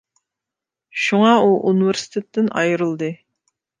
شۇڭا ئۇ ئۇنىۋېرسىتېتتىن ئايرىلدى.